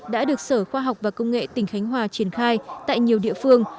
đã được sở khoa học và công nghệ tỉnh khánh hòa triển khai tại nhiều địa phương